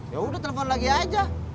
yaudah telpon lagi aja